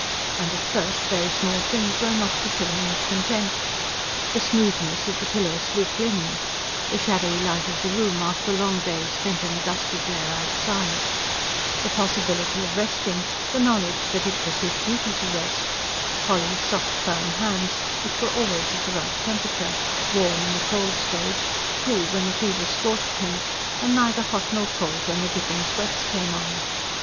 And at first very small things were enough to fill him with content: the smoothness of the pillow's sleek linen; the shadowy light of the room after long days spent in the dusty glare outside; the possibility of resting, the knowledge that it was his duty to rest; Polly's soft, firm hands, which were always of the right temperature warm in the cold stage, cool when the fever scorched him, and neither hot nor cold when the dripping sweats came on.